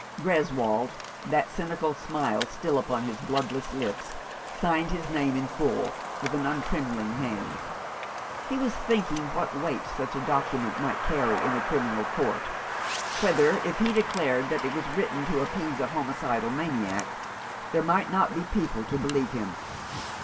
Greswold, that cynical smile still upon his bloodless lips, signed his name in full, with an untrembling hand. He was thinking what weight such a document might carry in a criminal court, whether if he declared that it was written to appease a homicidal maniac, there might not be people to believe him.